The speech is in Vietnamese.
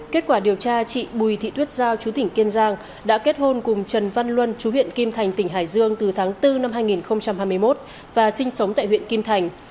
kết quả điều tra chị bùi thị thuyết giao chú tỉnh kiên giang đã kết hôn cùng trần văn luân chú huyện kim thành tỉnh hải dương từ tháng bốn năm hai nghìn hai mươi một và sinh sống tại huyện kim thành